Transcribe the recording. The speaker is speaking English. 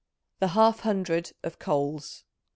"The Half Hundred" (of Coals).